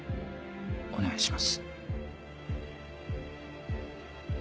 お願いします